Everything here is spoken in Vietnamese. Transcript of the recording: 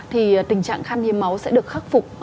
thì tình trạng khăn hiếm máu sẽ được khắc phục